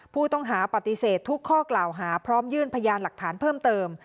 ผู้ต้องหาปฏิเสธทุกข้อกล่าวหาพร้อมยื่นพยานหลักฐานเพิ่มเติม